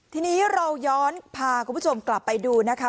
ทีนี้เราย้อนพาคุณผู้ชมกลับไปดูนะคะ